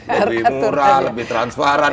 lebih murah lebih transparan